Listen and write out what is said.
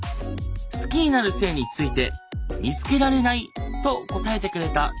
好きになる性について「見つけられない」と答えてくれた。